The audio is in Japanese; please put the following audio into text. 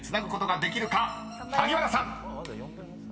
［萩原さん］